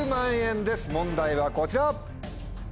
問題はこちら！